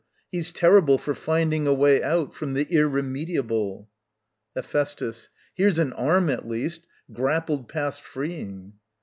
He's terrible for finding a way out From the irremediable. Hephæstus. Here's an arm, at least, Grappled past freeing.